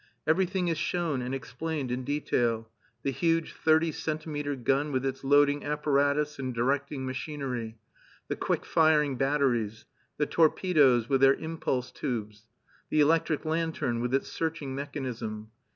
Everything is shown and explained in detail: the huge thirty centimetre gun, with its loading apparatus and directing machinery; the quick firing batteries; the torpedoes, with their impulse tubes; the electric lantern, with its searching mechanism.